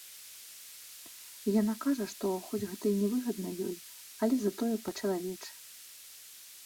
Яна кажа, што, хоць гэта і нявыгадна ёй, але затое па-чалавечы.